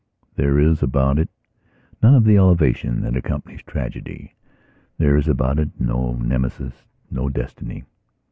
There is about it none of the elevation that accompanies tragedy; there is about it no nemesis, no destiny.